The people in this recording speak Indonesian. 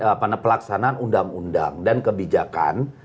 apa namanya pelaksanaan undang undang dan kebijakan